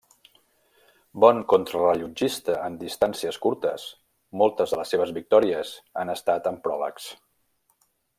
Bon contrarellotgista en distàncies curtes, moltes de les seves victòries han estat en pròlegs.